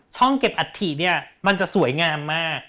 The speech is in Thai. ช่องเก็บอัฐิมันจะสวยงามมาก